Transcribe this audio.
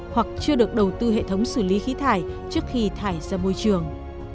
hoặc chưa được đầu tư hệ thống xử lý khí thải trước khi thải ra môi trường